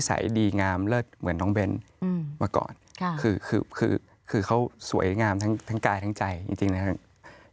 ใสดีงามเลิศเหมือนน้องเบนมาก่อนคือคือเขาสวยงามทั้งกายทั้งใจจริงนะครับ